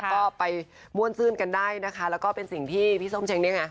ก็ไปม่วนซื่นกันได้นะคะแล้วก็เป็นสิ่งที่พี่ส้มเช้งเนี่ยไง